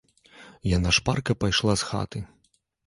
Яна шпарка пайшла з хаты.